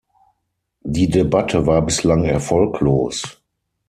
Die Debatte war bislang erfolglos.